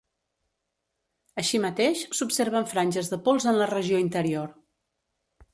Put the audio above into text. Així mateix, s'observen franges de pols en la regió interior.